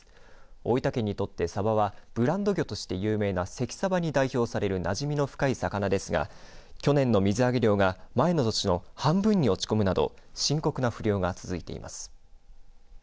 大分県にとってさばはブランド魚として有名な関さばに代表されるなじみの深い魚ですが去年の水揚げ量が前の年の半分に落ち込むなど深刻な不漁が続いています。